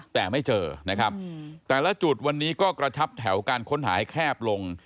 แต่ไม่เจอนะครับแต่ละจุดวันนี้ก็กระชับแถวการค้นหาให้แคบลง